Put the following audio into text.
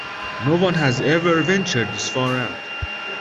No one has ever ventured this far out.